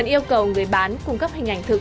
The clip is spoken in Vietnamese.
yêu cầu người bán cung cấp hình ảnh thực